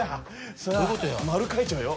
さぁ丸描いちゃうよ。